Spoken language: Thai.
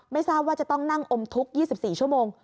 ไม่ทราบว่าจะต้องนั่งอมทุกข์๒๔ชั่วโมง